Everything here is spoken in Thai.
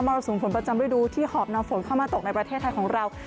รสุมฝนประจำฤดูที่หอบนำฝนเข้ามาตกในประเทศไทยของเรา